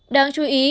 đáng chú ý